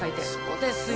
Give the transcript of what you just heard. そうですよ。